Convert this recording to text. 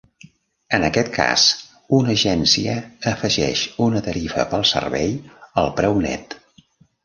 En aquest cas, una agència afegeix una tarifa pel servei al preu net.